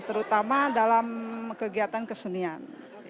terutama dalam kegiatan kesenian